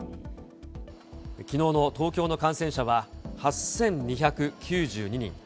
きのうの東京の感染者は８２９２人。